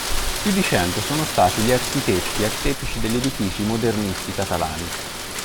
Più di cento sono stati gli architetti artefici degli edifici modernisti catalani.